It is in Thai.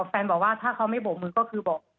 บอกว่าถ้าเขาไม่โบกมือก็คือบอก